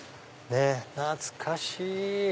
懐かしい！